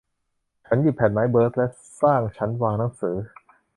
ฉันหยิบแผ่นไม้เบิร์ชและสร้างชั้นวางหนังสือ